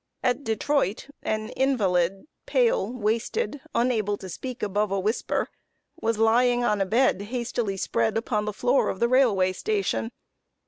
At Detroit, an invalid, pale, wasted, unable to speak above a whisper, was lying on a bed hastily spread upon the floor of the railway station.